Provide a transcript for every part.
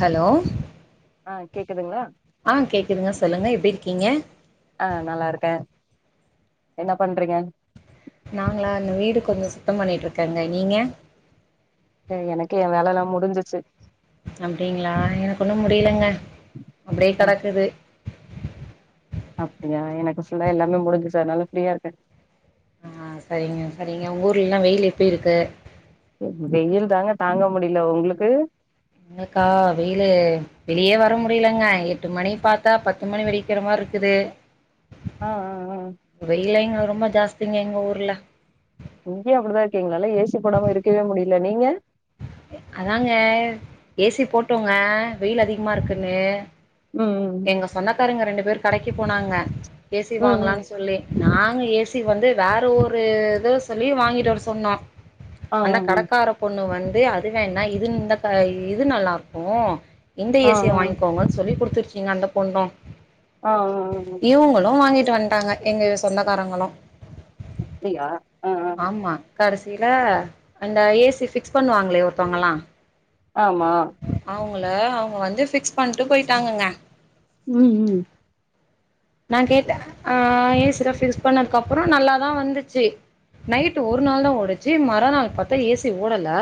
Hello ஆ கேக்குதுங்ளா ஆ கேக்குதுங்க சொல்லுங்க எப்டி இருக்கீங்க ஆ நல்லா இருக்கே என்ன பண்றீங்க நாங்களா இந்த வீடு கொஞ்சோ சுத்தம் பண்ணிட்டு இருக்கங்க நீங்க எனக்கே எ வேலல்லா முடிஞ்சிச்சி அப்டிங்களா எனக்கு இன்னு முடியலங்க அப்டியே ம் கடக்குது அப்டியா எனக்கு ஃபுல்லா எல்லாமே முடிஞ்சுது அதனால ஃப்ரீயா இருக்கே ஆ சரிங்க சரிங்க உங்க ஊர்லல்லா வெயில் எப்டி இருக்கு வெயில் தாங்க தாங்க முடில உங்குளுக்கு எங்களுக்கா வெயிலு வெளியே வர முடியலங்க எட்டு மணி பாத்தா பத்து மணி வெடிக்கிற மாரி இருக்குது ஆ ஆ ஆ வெயிலு இங்க ரொம்ப ஜாஸ்திங்க எங்க ஊர்ல இங்கயு அப்டிதா இருக்கு எங்களால ஏ சி போடாம இருக்கவே முடியல நீங்க அதாங்க ஏ சி போட்டோங்க வெயில் அதிகமா இருக்குன்னு உம் ம் பாருங்க ரெண்டு பேர் கடைக்கு போனாங்க ஏ சி ம் வாங்கலான்னு சொல்லி நாங்க ஏ சி வந்து வேற ஒரு இதோ சொல்லி வாங்கிட்டு வர சொன்னோம் அந்த ம் ம் கடக்கார பொண்ணு வந் து அது வேணா இது இந்த இது நல்லா இருக்கு இந்த ஆ ஆ ஏ சி-ய வாங்கிகோங்கன் சொல்லி் கொடு ச்சுங்க அந்த பொண்ணு ஆ ஆ டு வந்ட்டாங்க எங்க சொந்தக்காரங்களு அப்டியா ஆ ஆ ஆமா கடைசில அந்த ஏ சி ஃபிக்ஸ் பண்ணுவாங்களே ஒருத்தவங்களா ஆமா அவங் கள அவங்க வந்து ஃபிக்ஸ் பண்ட்டு போயிட்டாங்கங்க ம் ம் நா கேட்டே ஆ ஏ சி-லா ஃபிக்ஸ் பண்ணதுக்கு அப்புறம் நல்லாதா வந்துச்சு நைட் ஒரு நாள் தா ஓடுச்சு மறா நாள் பாத்தா ஏ சி ஓடல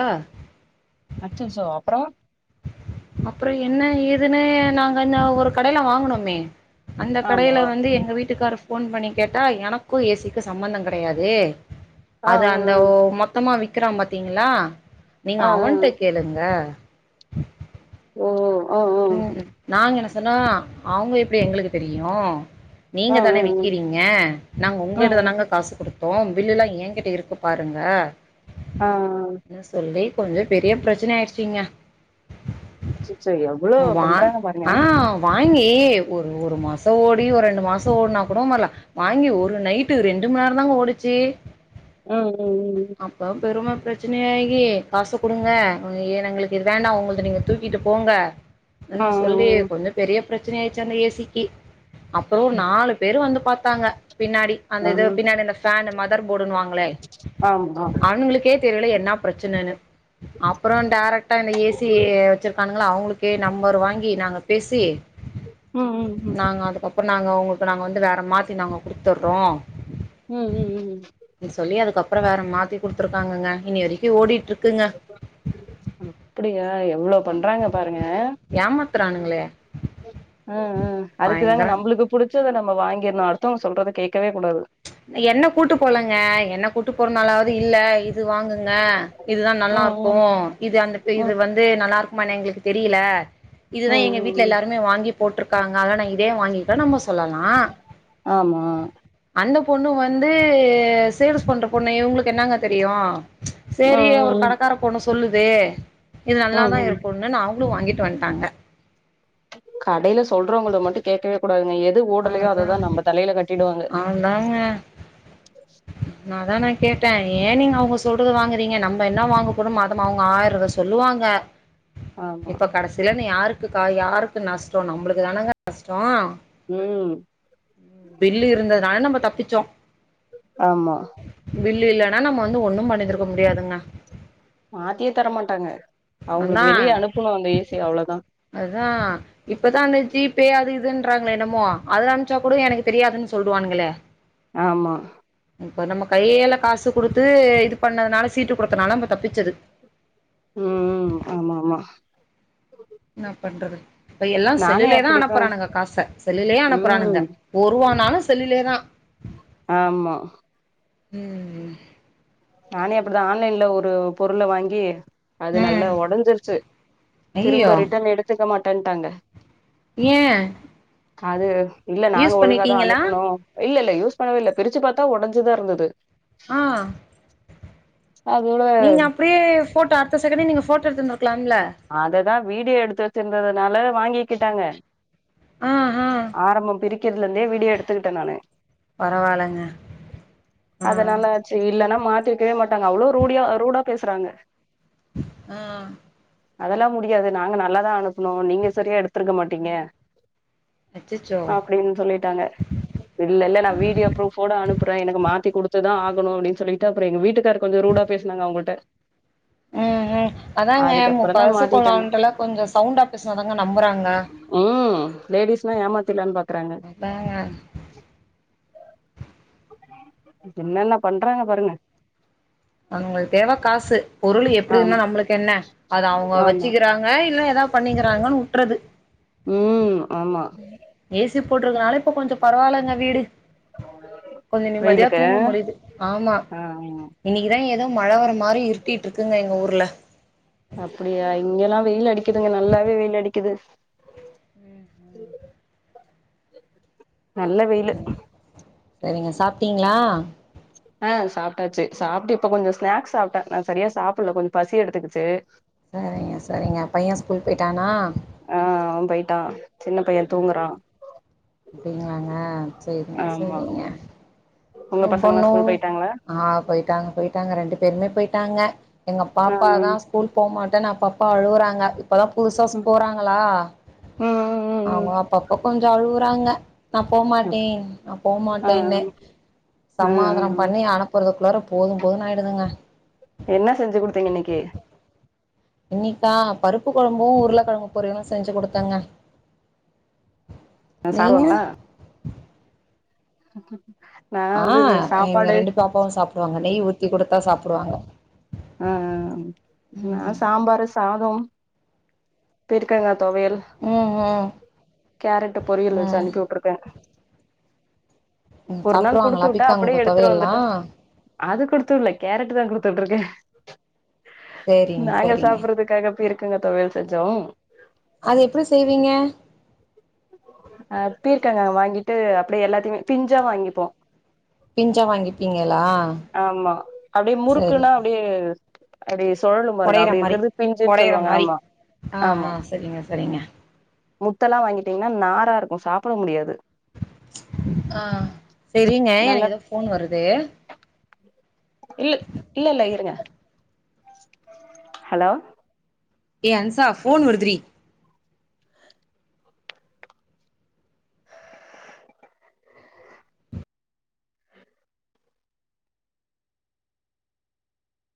அச்சச்சோ அப்புறோ அப்புறோ என்ன ஏதுன்னு நாங்க ஒரு கடையில வாங்கனோமே அந்த ஆமா கடையில வந்து எங்க வீட்டுக்கார போன் பண்ணி கேட்டா எனக்கு ஏ சி-க்கு சம்பந்தம் கெடையாது ஆ அது அந்த மொத்தமா வி க்கிறா பாத்தீங்களா நீங்க ஆ ஆ ஆ ஆ அவன்ட்ட கேளுங்க ஓ ஓ ம் நாங்க என்ன சொன்னா அவங்க எப்டி எங்களுக்கு தெரியு ஆ நீங்க ஆ தானே விக்கிறீங்க, நாங்க ஆ ஆ ஆ ம் ம் உங்ககிட்டதானாங்க காசு குடுத் த்தோ பில்லு எல்லா ஏங்கிட்ட இருக்கு பாருங்க ஆஆ ன்னு சொல்லி கொஞ்சோ பெரிய பிரச்சன ஆயிடுச்சிங்க அச்சச்சோ எவ் ம், வா ஆ வாங்கி ஒரு ஒரு மாச ஓடி ஒரு ரெண்டு மாசம் ஓடினா கூட வரல வாங்கி ஒரு நைட்டு ரெண்டு மண்நேரம் தாங்க ஓடுச்சி ம் ம் ம் பிரச்சனையாகி காச குடுங்க ஏ எங்களுக்கு இது வேண்டா உங்களுத நீங்க தூக்கிட்டு போங்க ம் ன்னு சொல்லி ம் ம் கொஞ்சோ பெரிய பிரச்சனையாயிடுச்சி அந்த ஏ சி க்கி அப்பறோ நாலு பேரு வந்து பார்த்தாங்க பின்னாடி ஆ அந்த ஆ ஆ இது பின்னாடி அந்தஃபேன் மாதிரி போடுனுவாங்களே ஆ ஆமா ஆண்களுக்கு ஏற்ற தெரியல என்ன பிரச்சனைனு அப்புறம் டைரக்ட் இந்த ஏசி வச்சிருக்கானு அவங்களுக்கு நம்பர் வாங்கி நாங்க பேசி ம் ம் ம் அப்புறம் நாங்கள் உங்களுக்கு நாங்கள் வந்து வேறு மாத்தி நாங்கள் கொடுத்துட்றோம் உம் உம் உம் உம் அப்புறம் வேற மாத்தி கொடுத்துருக்காங்க இனி வரை ஓடிட்டு இருக்குங்க இவ்ளோவ் பண்றாங்க பாருங்க ஏமாத்துறானுங்களே ம்ம் அதுக்குதாங்க பயங்கரம் நம்ளுக்கு புடு நம்ம வாங்கிருனும் அடுத்தவங்க சொல்றத கே என்னெ கூட்டு போலேங்க என்னெ கூட்டு போறனாலாவது இல்ல இது வாங்குங்க இதுதான் நல்லா ம் ம் இருக்கும் இது அந்த இது ம் வந்து நல்லா இருக்கும் ஆமா ந எங்களுக்கு தெரியல ம் இதுதான் எங்க ம் வீட்டுல ம் எல்லாருமே வாங்கி போட்டிருக்காங்க அத நான் இதே வாங்கிக்கேன் நம்ம சொல்லலாம் ஆமா அந்த பொண்ணு வந்து சேல்ஸ் பண்ற பொண்ணு இவங்களுக்கு என்னங்க தெரியும் ம் சேரி ஒரு ம் கடக்கார பொண்ணு சொல்லுது சே இது ம் நல்லாதான் ம் இருக்கும்னு நான் வாங்கிட்டு வந்துட்டாங்க கடையில சொல்றோவங்களே மட்டும் கேட்கவே ங்க எது ஓடலையோ அத அதா தான் நம்ம தலையில கட்டிடுவாங்க அதாங்க அதான் நான் கேட்டேன் ஏன் நீங்க அவங்க சொல்றது வாங்குறீங்க நம்ம என்ன வாங்கப்போறோமோ அதமா அவங்க ஆயிரம் சொல்லுவாங்க ஆமா இப்ப கடைசியில இருந்து யாருக்கு இருக்கா யாருக்கு நஷ்டோம் நம்புளுக்கு தானுங்க நஷ்டோம் ம் பில்லு இருந்ததுனால நம்ம தப்பிச் சோம் ஆம்மா பில்லு இல்லனா நம்ம வந்து ஒண்ணும் பண்ணிருந்துக்க முடியாதுங்க மாத்தியே தரமாட்டாங்க அன்னா அவுங்களுக்கு வெளிய அனுப்பணு அந்த ஏசிய அவ்ளோதா அதா இப்பதா அந்த ஜீப்பே அது இது துன்றான்களே என்னமோ அதுல அனுப்ச்சா கூட எனக்கு தெரியாதுனு சொல்டுவான்ங்களே ஆமா இப்ப நம்ம கையல காசு குடுத்து இது பண்ணதுனால சீட்டு குடுத்தனால நம்ப தப்பிச்சது ம்ம் ஆமா ஆமா என்னா பண்றது இப்ப எல்லா நானே செல்லிலேதா அப்டித்தா அனுப்பறானுக காச செல்லுலே அனுப்றானுங்க ம் ஒர்ருவானாலு செல்லுலேதா ஆமா ம் நானே அப்டிதா ஆன்லைன்ல ஒரு பொருள வாங்கி அது ம் நல்ல ஒடஞ்சிருச்சு ஐயயோ திரும்ப ரிட்டன் எடுத்துக்க மாட் மாட்டன்ட்டாங்க ஏ அது இல்ல நாங்க யூஸ் ஒழுங்காதா பண்ணிட்டீங்களா அனுப்புனோ இல்லல் யூஸ் பண்ணவேல்ல பிரிச்சு பாத்தா ஒடஞ்சுதா இருந்துது ஆ அதோட நீங்க அப்டியே ஃபோட்டோ அடுத்த செகண்டே நீங்க ஃபோட்டோ எடுத்துந்துரு அததா வீடியோ எடுத்து வச்சிருந்தத நால வாங்கிகிட்டாங்க ஆ ஆ ஆரம்பம் பிரிக் க்கிறதுல இருந்தே வீடியோ எடுத்துக்கிட்ட நானு பரவாலங்க ம் மாத்திருக்கவே மாட்டாங்க அவ்ளோ ரூடியா ரூடா பேசறாங்க ஆ அதெல்லா முடியாது நாங்க நல்லாதா அனுப்னோ நீங்க சரியா எடுத்துருக்க மாட்டீங்க அச்சச்சோ அப்படின் சொல்லிட்டாங்க இல்லல்ல நா வீடியோ ப்ரூஃபோட அனுப்புற எனக்கு மாத்தி குடுத்துதா ஆக கனு அப்படின் சொல்லிட்டு அப்றோ எங்க வீட்டுக்காரு கொஞ்சோ ரூடா பேசுனாங்க அவங்குள்ட ம் ம் அதாங்க பலசு மாத்திட்டாங்க கொள்ளான்ட்டுல கொஞ்சோ சவுண்டா பேசுனாதாங்க நம்புறாங்க ம் லேடிஸ்னா ஏமாத்திர்லான்னு பாக்குறாங்க அதாங்க என்னன்ன பண்றாங்க பாருங்க அவங்குளுக்கு தேவ காசு பொருள் எப்பிடி இருந்தா ஆமா நம்முளுக்கு என்ன அது அவங்க ஆமா வச்சுக்கிறாங்க இல்ல ஏதாவது பண்ணிக்கிறாங்கன்னு உட்றது ம் ஆமா சி போட்ருக்கனால இப்ப கொஞ்ச பரவால்லங்க வீடு கொஞ்ச நிம்மதியா வெயிலுக்கு தூங்க முடியுது ஆமா ஆ ஆமா இதா ஏதோ மழ வர்ற மாதிரி இருட்டிட்டு இருக்குங்க எங்க ஊர்ல அப்டியா இங்கெல்லா வெயில் அடிக்குதுங்க நல்லாவே வெயில் அடிக்குது ம், ம். நல்ல வெயிலு செரிங்க, சாப்ட்டீங்ளா ஆ, சாப்ட்டாச்சு சாப்பிட்டு இப்ப கொஞ்சோ ஸ்நாக்ஸ் சாப்பிட்டா நா சரியா சாப்பிட்ல கொஞ்சோ பசி எடுத்துக்குக்கிச்சி சரிங்க சரிங்க பைய ஸ்கூல் போயிட்டானா ஆ, அவ போயிட்டா சின்ன பைய தூங்குறா அப்டிங்களாங்க செரிங்க ஆமா செரிங்க உங்க எ பசங்கல்லா பொண்ணு ஸ்கூல் போயிட்டாங்களா ஆ போயிட்டாங்க போயிட்டாங்க ரெண்டு பேருமே போயிட் ட்டாங்க எங்க ஆ பாப்பா தா ம் ஸ்கூல் போமாட் ட்டனு அப்பப்ப அழுவுறா ங்க இப்பதா புதுசா போறாங்களா, அவங்க ம் அப்பப்ப கொஞ் சோ அழுவு றாங்க நா ம் போகமாட்டே நா போமாட்டேன்னு சமாதானம் ம் பண்ணி அனுப்புறது குள்ளாரா போதும் போதும்னு ஆயிடுதுங்க என்ன செஞ்சு குடுத்தீங்க இன்னைக்கி இன்னிக்கா பருப்பு கொழம்பு உருளக்கெழம்பு பொரியலும் செஞ்சு குடுத்தாங்க அ சாப்டுவாங்களா ஓகே ஆ, எங்க ரெண்டு பாப்பாவு சாப்டுவாங்க நெய் ஊ த்தி குடுத்தா சாப்டுவாங்க ஆ ஆ நா ம் சாம்பாரு சாதம் பீர்க்கங்கா தொவையல் ம் கேரட்டு பொரியல் வச்சு ம் அனுப்பி வுட்டுருக்கே ம் ஒரு நாள் குடுத்து சாப்ட்ருவாங்களா வுட்டா அப்டியே பிக்காங்கு எடுத்துட்டு தொவையல்லா வந்துட்டு அது குடுத்துவுட்ல கேரட் தா குடுத்துட்டுருக்கே சேரிங்க நாங்க சேரிங்க சாப்புட்றதுக்காக பீர்க் பீக்கங்கா தொவையல் செஞ்சோ அது எப்டி செய்வீங்க அ பீர்க்கங்கா வாங்கிட்டு அப்படியே எல்லாத்தையுமே பிஞ்சா வாங்கிப்போ பிஞ்சா வாங்கிப்பீங்களா ஆமா அப்டியே சேரி முறுக்குன்னா அப்டியே அப்டி சுழலு பாருங்க ஒடையிற அப்டி மாரி இருக்கிறது பிஞ்சுன்னு ஒடையிற சொல்லுவாங்க மாரி ஆமா ஆ ஆமா ஆ சரிங்க சரிங்க மு தலா வாங்கி டீங்கன்னா நாரா இருக்கோ சாப்ட முடியாது ஆ சேரிங்க எனக்கு ஏதோ ஃபோன் வருது இல் இல்ல இல்ல இருங்க ஹலோ ஏ அன்சா ஃபோன் வருது டி